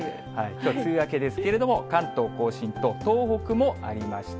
きょう梅雨明けですけれども、関東甲信と東北もありました。